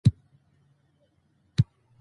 زموږ قوت په زموږ په یووالي کې دی.